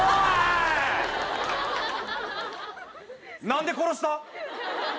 何で殺した？